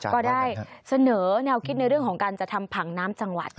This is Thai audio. ก็ได้เสนอแนวคิดในเรื่องของการจะทำผังน้ำจังหวัด